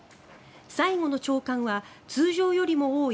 最後の朝刊は通常よりも多い